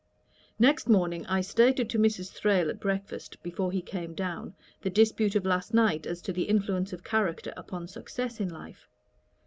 Next morning I stated to Mrs. Thrale at breakfast, before he came down, the dispute of last night as to the influence of character upon success in life.